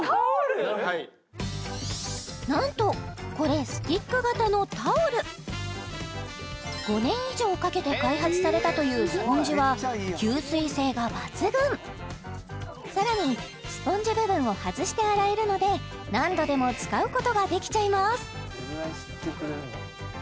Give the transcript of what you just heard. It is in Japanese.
なんとこれスティック型のタオル５年以上かけて開発されたというスポンジは吸水性が抜群さらにスポンジ部分を外して洗えるので何度でも使うことができちゃいます